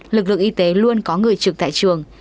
lực lượng y tế luôn có người trực tại trường